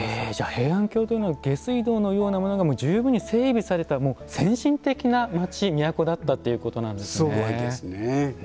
平安京というのは下水道のようなものが十分に整備された先進的な街都だったということなんですね。